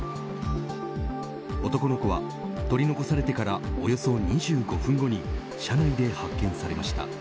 男の子は取り残されてからおよそ２５分後に車内で発見されました。